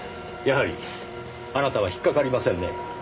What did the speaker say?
やはりあなたは引っかかりませんね。